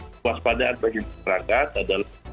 kekuatpadaan bagi masyarakat adalah